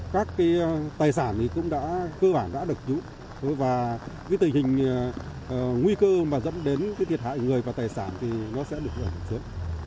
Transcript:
các tài sản cũng đã cơ bản được giúp và tình hình nguy cơ mà dẫn đến thiệt hại người và tài sản thì nó sẽ được giúp